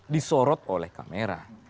disorot oleh kamera